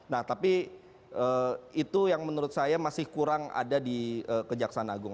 nah tapi itu yang menurut saya masih kurang ada di kejaksaan agung